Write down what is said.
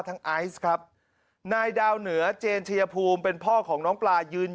ไอซ์ครับนายดาวเหนือเจนชายภูมิเป็นพ่อของน้องปลายืน